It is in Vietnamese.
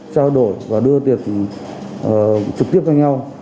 trao đổi và đưa tiền trực tiếp cho nhau